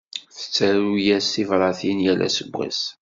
Tettaru-yas tibratin yal aseggas.